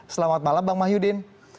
selamat malam bang mahyudin